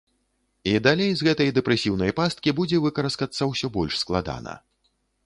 І далей з гэтай дэпрэсіўнай пасткі будзе выкараскацца ўсё больш складана.